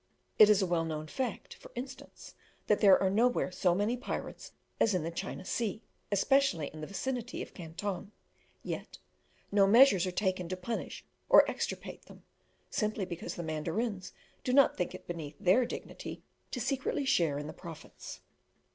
It is a well known fact, for instance, that there are nowhere so many pirates as in the Chinese sea, especially in the vicinity of Canton; yet no measures are taken to punish or extirpate them, simply because the mandarins do not think it beneath their dignity to secretly share in the profits.